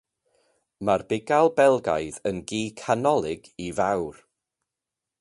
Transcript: Mae'r Bugail Belgaidd yn gi canolig i fawr.